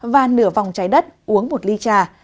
và nửa vòng trái đất uống một ly trà